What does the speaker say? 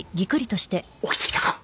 起きてきたか？